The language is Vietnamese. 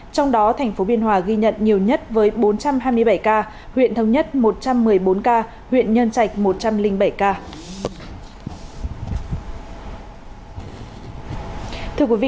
trong đó thành phố biên hòa ghi nhận nhiều nhất với bốn trăm hai mươi bảy ca huyện thống nhất một trăm một mươi bốn ca huyện nhân trạch một trăm linh bảy ca